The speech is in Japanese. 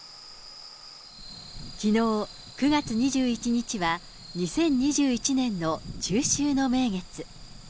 きのう９月２１日は、２０２１年の中秋の名月。